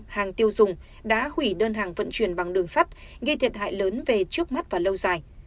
hàng tiêu dùng đã hủy đơn hàng vận chuyển bằng đường sắt gây thiệt hại lớn về trước mắt và lâu dài